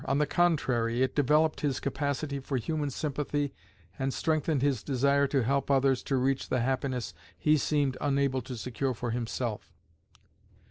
On the contrary, it developed his capacity for human sympathy and strengthened his desire to help others to reach the happiness he seemed unable to secure for himself.